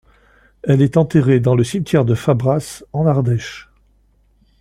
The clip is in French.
Elle est enterrée dans le cimetière de Fabras en Ardèche.